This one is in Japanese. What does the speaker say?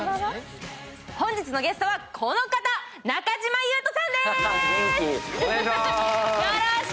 本日のゲストはこの方、中島裕翔さんです。